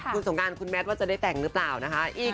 คุณสงการคุณแมทว่าจะได้แต่งหรือเปล่านะคะ